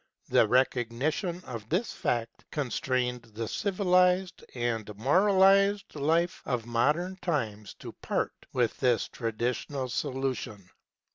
The recognition of this fact constrained the civilised and moralised life of modern times to part with this traditional solution.